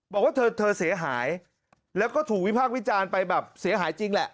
บอกว่าเธอเธอเสียหายแล้วก็ถูกวิพากษ์วิจารณ์ไปแบบเสียหายจริงแหละ